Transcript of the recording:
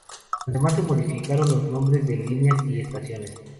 Además se modificaron los nombres de líneas y estaciones.